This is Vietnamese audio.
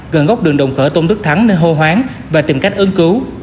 gần góc đường đồng khởi tôn đức thắng nên hô hoán và tìm cách ứng cứu